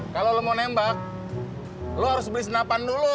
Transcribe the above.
kalau lo mau nembak lo harus beli senapan dulu